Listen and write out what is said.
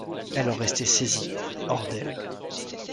Elle en restait saisie, hors d’elle.